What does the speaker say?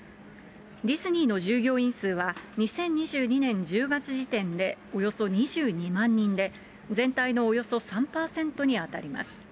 ディズニーの従業員数は２０２２年１０月時点でおよそ２２万人で、全体のおよそ３％に当たります。